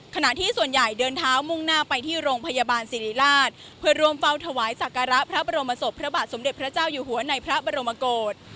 ขณะที่ส่วนใหญ่เดินเท้ามุ่งหน้าไปที่โรงพยาบาลสิริราชเพื่อรวมเฝ้าถวายสักการะพระบรมศพพระบาทสมเด็จพระเจ้าอยู่หัวในพระบรมโกศ